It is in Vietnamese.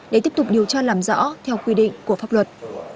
để tiếp tục điều tra làm rõ theo quy định của pháp luật